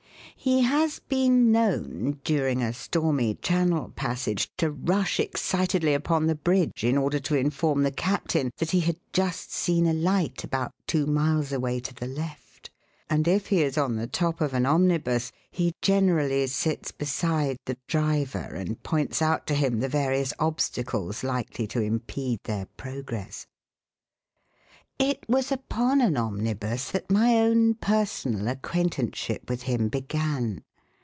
He has been known, during a stormy Channel passage, to rush excitedly upon the bridge in order to inform the captain that he had "just seen a light about two miles away to the left"; and if he is on the top of an omnibus he generally sits beside the driver, and points out to him the various obstacles likely to impede their progress. It was upon an omnibus that my own personal acquaintanceship with him began.